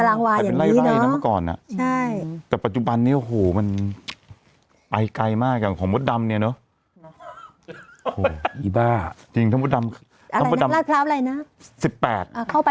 เวลาขายขายเป็นไร่เนี่ยไม่ได้เป็นตารางวาดยังงี้เนอะ